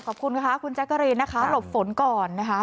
ขอบคุณค่ะคุณแจ๊กกะรีนนะคะหลบฝนก่อนนะคะ